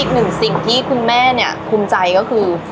อีกหนึ่งสิ่งที่คุณแม่เนี่ยคุ้มใจก็คือ